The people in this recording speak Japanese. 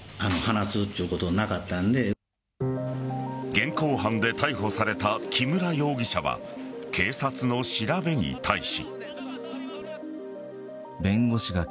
現行犯で逮捕された木村容疑者は警察の調べに対し。